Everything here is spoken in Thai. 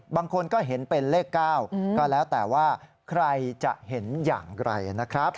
บางคนก็เห็นเป็นเลข๙ก็แล้วแต่ว่าใครจะเห็นอย่างไรนะครับ